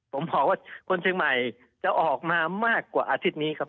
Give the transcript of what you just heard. ผมบอกว่าคนเชียงใหม่จะออกมามากกว่าอาทิตย์นี้ครับ